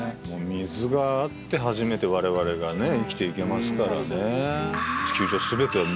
水があって初めてわれわれが生きていけますからね。